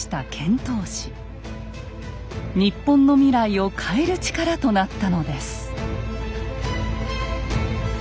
日本の未来を変える力となったのです。